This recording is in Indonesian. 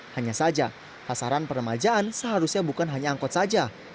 hanya saja pasaran peremajaan seharusnya bukan hanya angkot saja